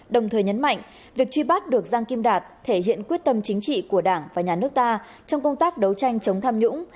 đồng thời nhấn mạnh việc truy bắt được giang kim đạt thể hiện quyết tâm chính trị của đảng và nhà nước ta trong công tác đấu tranh chống tham nhũng